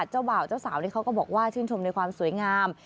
เจ้าบ่าวเจ้าสาวนี่เขาก็บอกว่าชื่นชมในความสวยงาม